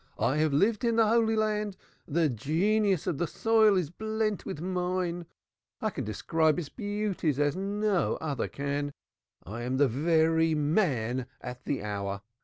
I have lived in the Holy Land the genius of the soil is blent with mine. I can describe its beauties as none other can. I am the very man at the very hour.